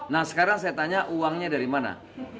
nah sekarang saya tanya uangnya dari mana